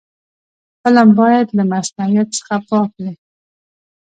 فلم باید له مصنوعیت څخه پاک وي